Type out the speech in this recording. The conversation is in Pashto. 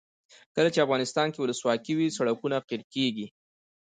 کله چې افغانستان کې ولسواکي وي سړکونه قیر کیږي.